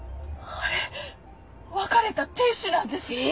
あれ別れた亭主なんです。